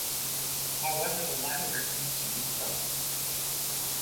However, the latter refused to do so.